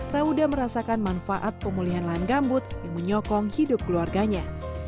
rauda merasakan manfaat pemulihan lahan gambut yang menyokong hidup keluarganya